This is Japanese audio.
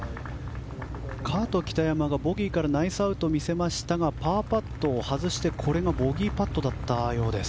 カート・キタヤマがボギーからナイスパットを見せましたがパーパットを外して、これがボギーパットだったようです。